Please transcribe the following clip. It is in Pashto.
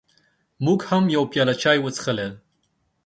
موږ هم یوه پیاله چای وڅښلې.